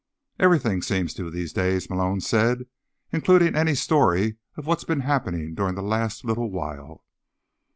"Everything seems to, these days," Malone said. "Including any story of what's been happening during the last little while."